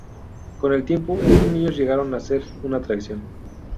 Con el tiempo, estos niños llegaron a ser una atracción.